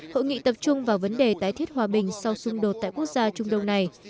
hội nghị tập trung vào vấn đề tái thiết hòa bình sau xung đột tại quốc gia trung đông này